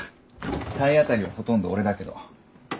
体当たりはほとんど俺だけど。